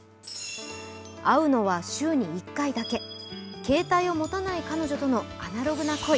会うのは週に１回だけ携帯を持たない彼女とのアナログな恋。